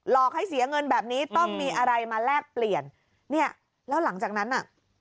อกให้เสียเงินแบบนี้ต้องมีอะไรมาแลกเปลี่ยนเนี่ยแล้วหลังจากนั้นน่ะ